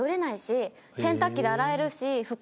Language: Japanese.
これ洗濯機で洗えるの？